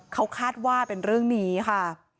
เขาคาดว่าเป็นเรื่องนี้ค่ะ